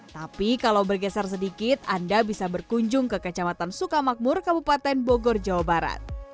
tapi kalau bergeser sedikit anda bisa berkunjung ke kecamatan sukamakmur kabupaten bogor jawa barat